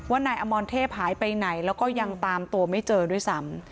นายอมรเทพหายไปไหนแล้วก็ยังตามตัวไม่เจอด้วยซ้ำ